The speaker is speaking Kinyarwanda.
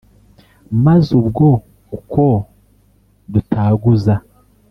Maze ubwo uko dutaguza